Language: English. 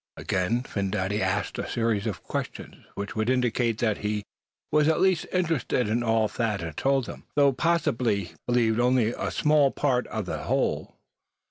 Again Phin Dady asked a series of questions which would indicate that he was at least interested in all Thad told him, though possibly he believed only a small part of the whole.